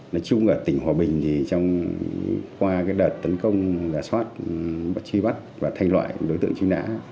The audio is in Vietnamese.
nói chung là tỉnh hòa bình thì qua cái đợt tấn công giả soát truy bắt và thay loại đối tượng truy nã